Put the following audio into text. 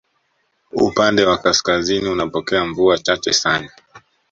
Upande wa kaskazini unapokea mvua chache sana